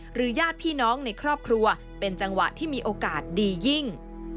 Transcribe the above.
ญาติพี่น้องในครอบครัวเป็นจังหวะที่มีโอกาสดียิ่ง